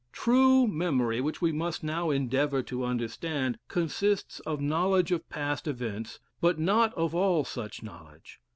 True memory, which we must now endeavour to understand, consists of knowledge of past events, but not of all such knowledge.